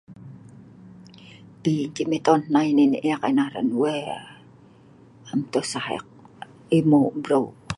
Pi ceh miton hnai nai neek ena hran wea.am tosah ek emeu breu